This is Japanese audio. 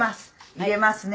入れますね」